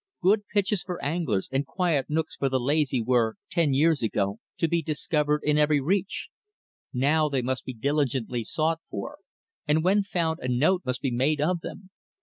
Good "pitches" for anglers and quiet nooks for the lazy were, ten years ago, to be discovered in every reach. Now they must be diligently sought for, and when found a note must be made of them.